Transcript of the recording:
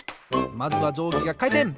まずはじょうぎがかいてん！